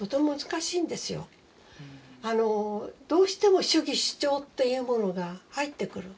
どうしても主義主張っていうものが入ってくる。